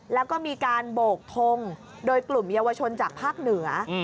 แล้วก็มีการโบกทงโดยกลุ่มเยาวชนจากภาคเหนือ